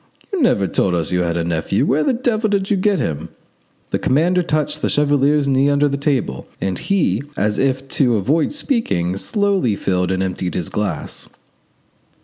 You never told us you had a nephew. Where the devil did you get him?" The commander touched the chevalier's knee under the table, and he, as if to avoid speaking, slowly filled and emptied his glass.